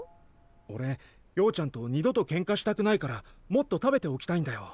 おれようちゃんと二度とケンカしたくないからもっと食べておきたいんだよ。